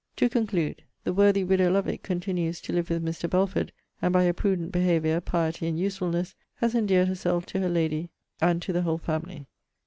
To conclude The worthy widow Lovick continues to live with Mr. Belford; and, by her prudent behaviour, piety, and usefulness, has endeared herself to her lady, and to the whole family.